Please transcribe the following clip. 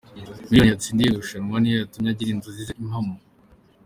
Miliyoni yatsindiye mu irushanwa niyo yatumye agira inzozi ze impamo.